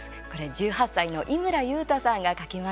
１８歳の井村祐太さんが書きました。